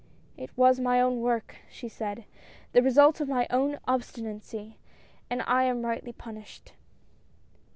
" It was my own work," she said ;" the result of my own obstinacy, and I am rightly punished